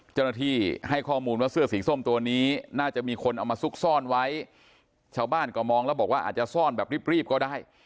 เจ้าหน้าที่ให้ข้อมูลว่าเสื้อสีส้มตัวนี้น่าจะมีคนเอามาซุกซ่อนไว้ชาวบ้านก็มองแล้วบอกว่าอาจจะซ่อนแบบรีบก็ได้